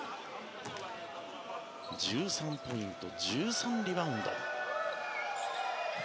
１３ポイント、１３リバウンド。